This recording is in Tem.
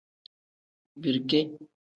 Birike.